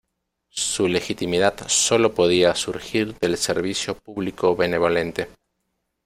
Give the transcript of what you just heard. Su legitimidad sólo podía surgir del servicio público benevolente.